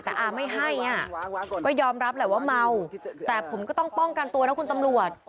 แต่อาไม่ให้อ่ะก็ยอมรับแหละว่าเมาแต่ผมก็ต้องป้องกันตัวนะคุณตำรวจ